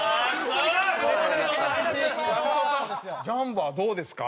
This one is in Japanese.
ジャンボはどうですか？